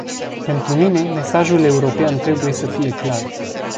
Pentru mine, mesajul european trebuie să fie clar.